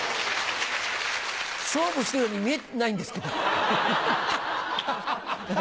勝負してるように見えないんですけど。